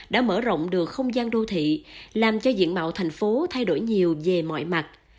đã mở rộng được không gian đô thị làm cho diện mạo thành phố thay đổi nhiều về mọi mặt